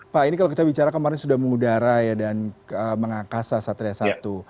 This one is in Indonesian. pak ini kalau kita bicara kemarin sudah mengudara dan mengangkasa satria satu